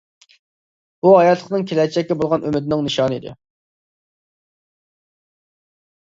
بۇ ھاياتلىقنىڭ، كېلەچەككە بولغان ئۈمىدنىڭ نىشانى ئىدى.